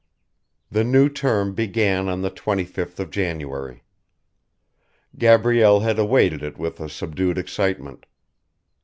The new term began on the twenty fifth of January. Gabrielle had awaited it with a subdued excitement.